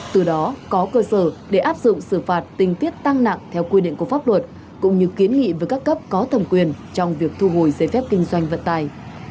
từ đó có cơ sở để áp dụng xử phạt tình tiết tăng nặng theo quy định của pháp luật cũng như kiến nghị với các cấp có thẩm quyền trong việc thu hồi giấy phép kinh doanh vận tài